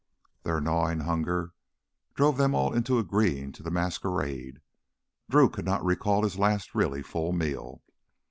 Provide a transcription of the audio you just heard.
Their gnawing hunger drove them all into agreeing to the masquerade. Drew could not recall his last really full meal.